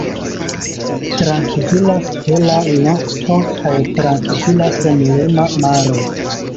Trankvila stela nokto kaj trankvila senlima maro.